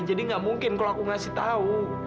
jadi nggak mungkin kalau aku ngasih tahu